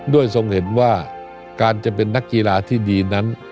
ทรงเห็นว่าการจะเป็นนักกีฬาที่ดีนั้น